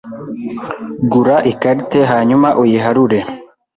gura icarte hanyuma uyiharure